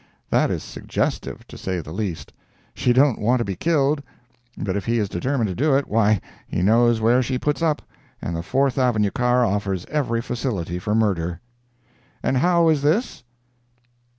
That is suggestive, to say the least. She don't want to be killed, but if he is determined to do it, why, he knows where she puts up, and the Fourth avenue car offers every facility for murder. 'And how is this?'